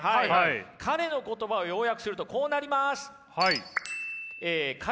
彼の言葉を要約するとこうなります。